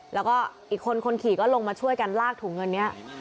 แล้วก็อีกคนคนขี่ก็ลงมาช่วยกันลากถุงเงินนี้